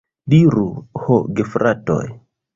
Diru, ho gefratoj!